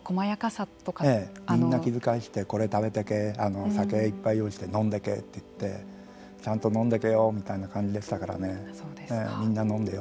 みんなに気遣いをしてこれ、食べていけ酒いっぱい用意して飲んでけって言ってちゃんと飲んでけよみたいな感じでしたからね。